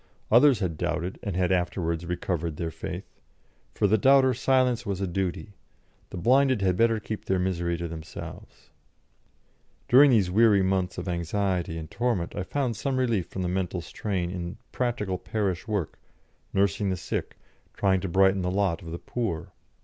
Others had doubted and had afterwards recovered their faith; for the doubter silence was a duty; the blinded had better keep their misery to themselves. During these weary months of anxiety and torment I found some relief from the mental strain in practical parish work, nursing the sick, trying to brighten the lot of the poor.